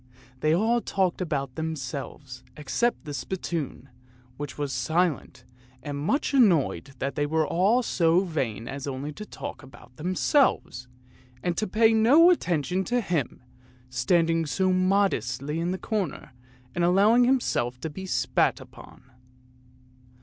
They all talked about themselves except the spittoon, which was silent and much annoyed that they were all so vain as only to talk about themselves, and to pay no attention to him, standing so modestly in the corner and allowing himself to be spat upon.